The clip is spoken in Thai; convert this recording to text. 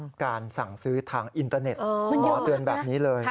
การสั่งซื้อทางอินเตอร์เน็ตคุณหมอเตือนแบบนี้เลย